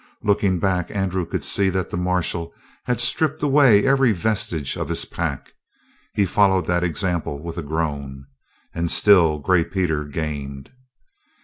Looking back, Andrew could see that the marshal had stripped away every vestige of his pack. He followed that example with a groan. And still Gray Peter gained.